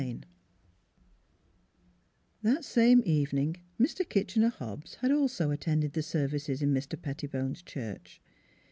XXIV THAT same evening Mr. Kitchener Hobbs had also attended the services in Mr. Pet tibone's church.